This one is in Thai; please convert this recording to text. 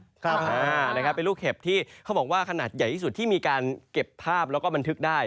ครับอ่านะครับเป็นลูกเห็บที่เขาบอกว่าขนาดใหญ่ที่สุดที่มีการเก็บภาพแล้วก็บันทึกได้